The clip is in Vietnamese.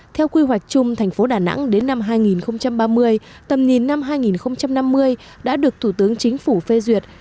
theo quy hoạch chung thành phố đà nẵng đến năm hai nghìn ba mươi tầm nhìn năm hai nghìn năm mươi đã được thủ tướng chính phủ phê duyệt